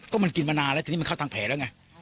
ก็มันกินมานานแล้วทีนี้มันเข้าทางแผลแล้วไง